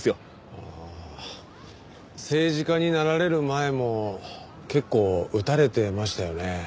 ああ政治家になられる前も結構打たれてましたよね？